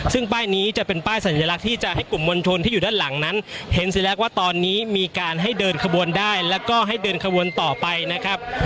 ซึ่งป้ายนี้จะเป็นป้ายสัญลักษณ์ที่จะให้กลุ่มมวลชนที่อยู่ด้านหลังนั้นเห็นเสร็จแล้วว่าตอนนี้มีการให้เดินขบวนได้แล้วก็ให้เดินขบวนต่อไปนะครับ